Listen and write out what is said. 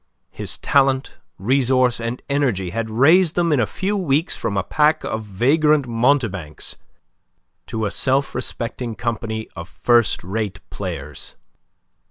His talent, resource, and energy had raised them in a few weeks from a pack of vagrant mountebanks to a self respecting company of first rate players.